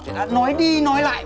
thì đã nói đi nói lại